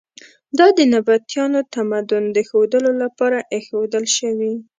دا د نبطیانو تمدن د ښودلو لپاره ایښودل شوي.